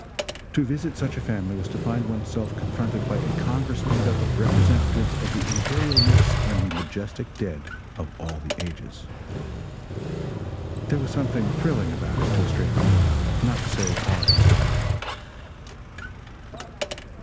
To visit such a family, was to find one's self confronted by a congress made up of representatives of the imperial myths and the majestic dead of all the ages. There was something thrilling about it, to a stranger, not to say awe inspiring.